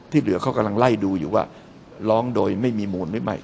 เหลือเขากำลังไล่ดูอยู่ว่าร้องโดยไม่มีมูลหรือไม่